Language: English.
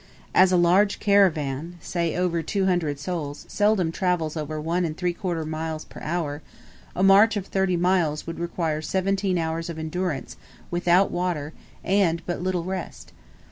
As a large caravan, say over two hundred souls, seldom travels over one and three quarter miles per hour, a march of thirty miles would require seventeen hours of endurance without water and but little rest.